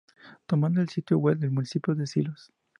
Tomado del sitio web del municipio de Silos.